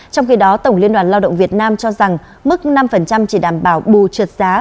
trong khi đó tổng liên đoàn lao động việt nam cho rằng mức năm chỉ đảm bảo bù trượt giá